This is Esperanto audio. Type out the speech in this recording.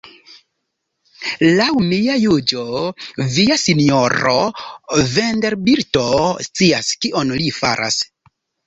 Laŭ mia juĝo via Sinjoro Vanderbilto scias kion li faras.